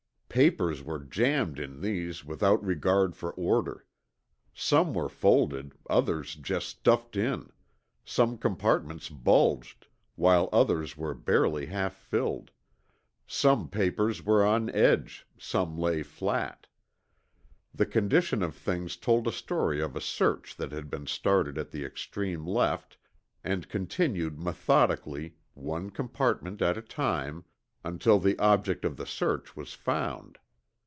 Papers were jammed in these without regard for order. Some were folded, others just stuffed in; some compartments bulged, while others were barely half filled; some papers were on edge, some lay flat. The condition of things told a story of a search that had been started at the extreme left and continued methodically, one compartment at a time, until the object of the search was found.